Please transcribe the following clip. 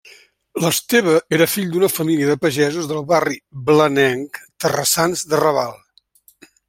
L'Esteve era fill d'una família de pagesos del barri blanenc Terrassans de Raval.